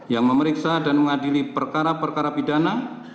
yang memeriksa dan mengadili perkara perkara pidana